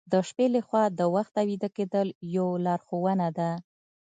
د شپې له خوا د وخته ویده کیدل یو لارښوونه ده.